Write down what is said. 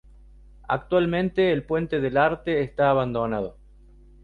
Actualmente el Puente del Arte está abandonado.